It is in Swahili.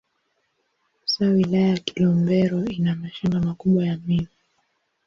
Hasa Wilaya ya Kilombero ina mashamba makubwa ya miwa.